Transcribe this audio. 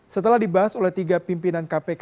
setelah dibahas oleh tiga pimpinan kpk